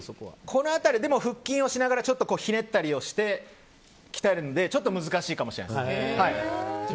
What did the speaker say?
この辺りは腹筋をしながらひねったりして鍛えるので難しいかもしれないです。